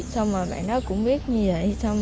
xong rồi bạn đó cũng biết như vậy